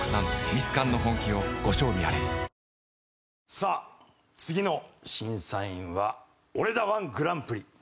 さあ次の審査員は俺だ−１グランプリ。